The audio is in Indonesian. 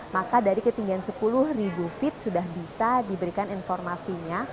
maka dari ketinggian sepuluh ribu feet sudah bisa diberikan informasinya